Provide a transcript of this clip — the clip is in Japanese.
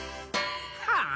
・はあ？